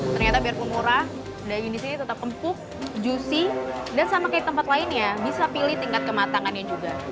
ternyata biarpun murah daging di sini tetap empuk juicy dan sama kayak tempat lainnya bisa pilih tingkat kematangannya juga